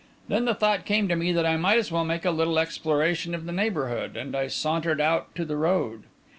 Then the thought came to me that I might as well make a little exploration of the neighbourhood, and I sauntered out to the road.